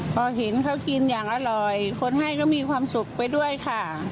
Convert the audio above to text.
พอเห็นเขากินอย่างอร่อยคนให้ก็มีความสุขไปด้วยค่ะ